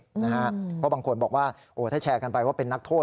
เพราะบางคนบอกว่าถ้าแชร์กันไปว่าเป็นนักโทษ